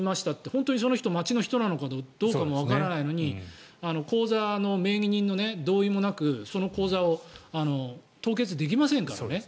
本当にその人が町の人かもわからないのに口座の名義人の同意もなくその口座を凍結できませんからね。